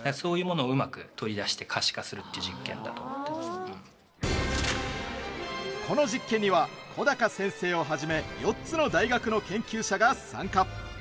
例えばこの実験には小鷹先生をはじめ４つの大学の研究者が参加。